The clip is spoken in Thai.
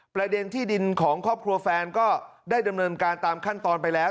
ประเด็นที่ดินของครอบครัวแฟนก็ได้ดำเนินการตามขั้นตอนไปแล้ว